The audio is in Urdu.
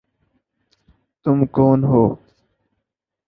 تم کون ہو؟